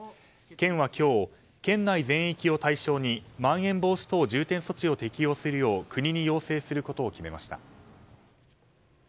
県は今日、県内全域を対象にまん延防止等重点措置を適用するよう国に要請することを決めました。